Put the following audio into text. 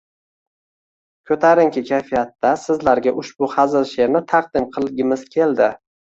Koʻtarinki kayfiyatda sizlarga ushbu hazil sheʼrni taqdim qilgimiz keldi.